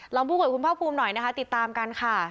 ลองพูดกับคุณพ่อภูมิหน่อยนะคะติดตามกันค่ะ